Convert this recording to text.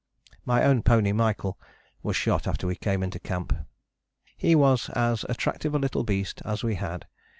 My own pony Michael was shot after we came into camp. He was as attractive a little beast as we had.